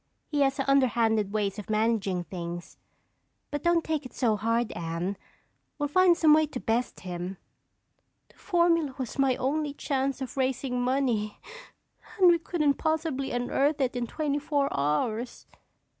"He has underhanded ways of managing things. But don't take it so hard, Anne. We'll find some way to best him." "The formula was my only chance of raising money and we couldn't possibly unearth it in twenty four hours."